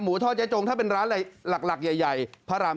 หมูทอดเจ๊จงถ้าเป็นร้านหลักใหญ่พระราม๔